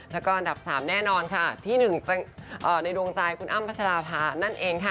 แล้วก็อันดับ๓แน่นอนค่ะที่๑ในดวงใจคุณอ้ำพัชราภานั่นเองค่ะ